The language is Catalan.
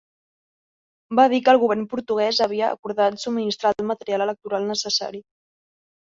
Va dir que el govern portuguès havia acordat subministrar el material electoral necessari.